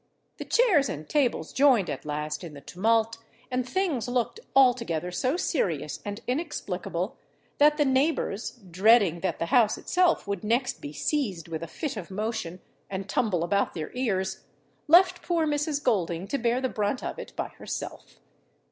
The chairs and tables joined, at last, in the tumult, and things looked altogether so serious and inexplicable, that the neighbours, dreading that the house itself would next be seized with a fit of motion, and tumble about their ears, left poor Mrs. Golding to bear the brunt of it by herself.